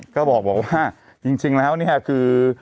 ก็บอกว่าจริงแล้วเนี่ยคือ